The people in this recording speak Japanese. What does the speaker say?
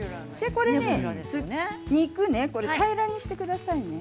これね肉を平らにしてくださいね。